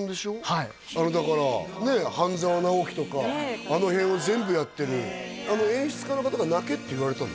はいだからね「半沢直樹」とかあの辺を全部やってる演出家の方が「泣け」って言われたの？